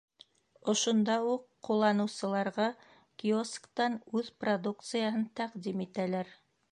Ошонда уҡ ҡулланыусыларға киосктан үҙ продукцияһын тәҡдим итәләр.